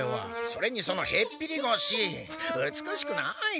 それにそのへっぴりごし！美しくない！